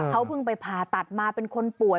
เขาเพิ่งไปผ่าตัดมาเป็นคนป่วย